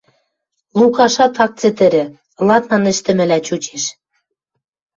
Лукашат ак цӹтӹрӹ, ладнан ӹштӹмӹлӓ чучеш.